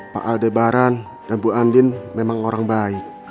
pak aldebaran dan bu andin memang orang baik